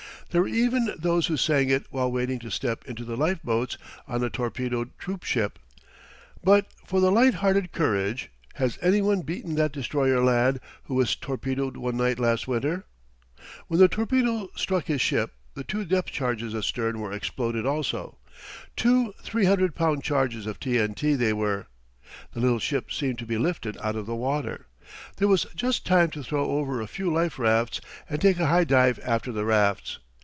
There were even those who sang it while waiting to step into the life boats on a torpedoed troop ship; but for light hearted courage has any one beaten that destroyer lad who was torpedoed one night last winter? When the torpedo struck his ship the two depth charges astern were exploded also. Two 300 pound charges of T N T they were. The little ship seemed to be lifted out of the water. There was just time to throw over a few life rafts and take a high dive after the rafts.